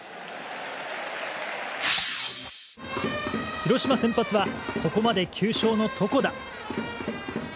広島先発はここまで９勝の床田。